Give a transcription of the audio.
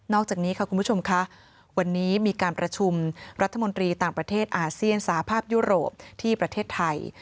อกจากนี้ค่ะคุณผู้ชมค่ะวันนี้มีการประชุมรัฐมนตรีต่างประเทศอาเซียนสาภาพยุโรปที่ประเทศไทย